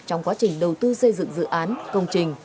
trong quá trình đầu tư xây dựng dự án công trình